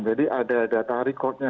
jadi ada data record nya